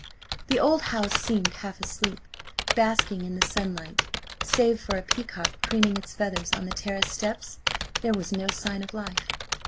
The old house seemed half asleep, basking in the sunlight. Save for a peacock preening its feathers on the terrace steps, there was no sign of life.